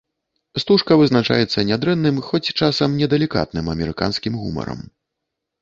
Стужка вызначаецца нядрэнным, хоць часам недалікатным амерыканскім гумарам.